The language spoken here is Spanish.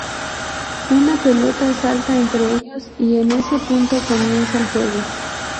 Una pelota salta entre ellos y en ese punto comienza el juego.